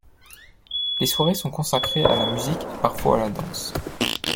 Les soirées sont consacrées à la musique et parfois à la danse.